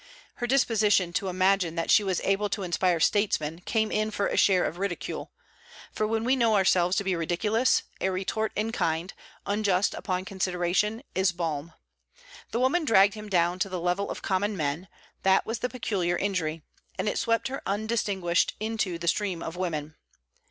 Her disposition to imagine that she was able to inspire statesmen came in for a share of ridicule; for when we know ourselves to be ridiculous, a retort in kind, unjust upon consideration, is balm. The woman dragged him down to the level of common men; that was the peculiar injury, and it swept her undistinguished into the stream of women.